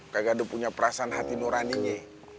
kagak ada punya perasaan hati nuraninya